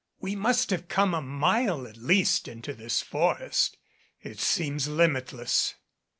We must have come a mile at least into this forest. It seems limitless."